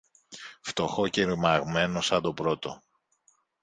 φτωχό και ρημαγμένο σαν το πρώτο.